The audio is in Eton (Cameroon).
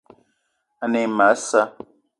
Ane e ma a sa'a